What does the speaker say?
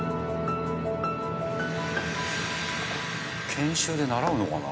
研修で習うのかな？